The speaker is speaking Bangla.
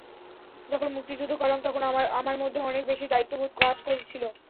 যখন মুক্তিযুদ্ধ করলাম তখন আমার মধ্যে অনেক বেশি দায়িত্ববোধ কাজ করেছিল।